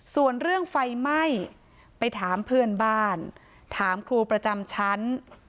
ส่วนเรื่องไฟไหม้ไปถามเพื่อนบ้านถามครูประจำชั้น